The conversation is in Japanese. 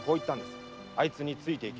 「あいつについて行け。